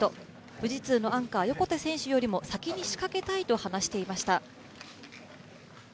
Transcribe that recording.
富士通のアンカー・横手選手よりも先に仕掛けたいと話していました。